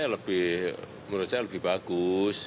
ya ini lebih menurut saya lebih bagus